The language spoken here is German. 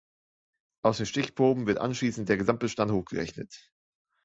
Aus den Stichproben wird anschließend der Gesamtbestand hochgerechnet.